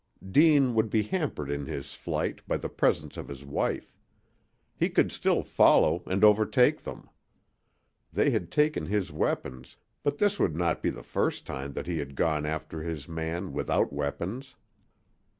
Deane would be hampered in his flight by the presence of his wife. He could still follow and overtake them. They had taken his weapons, but this would not be the first time that he had gone after his man without weapons.